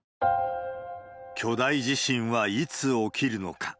巨大地震はいつ起きるのか。